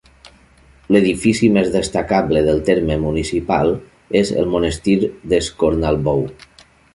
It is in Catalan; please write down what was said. L'edifici més destacable del terme municipal és el Monestir d'Escornalbou.